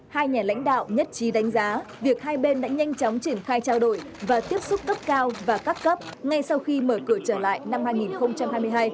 hai nhà lãnh đạo nhất trí đánh giá việc hai bên đã nhanh chóng triển khai trao đổi và tiếp xúc cấp cao và các cấp ngay sau khi mở cửa trở lại năm hai nghìn hai mươi hai